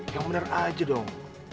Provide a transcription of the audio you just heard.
ya bener aja dong